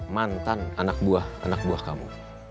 mantan anak buah anak buah kamu